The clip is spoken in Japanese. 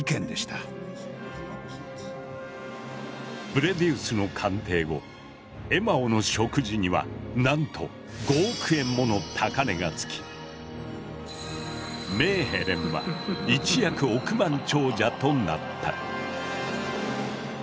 ブレディウスの鑑定後「エマオの食事」にはなんと５億円もの高値がつきメーヘレンは一躍億万長者となった。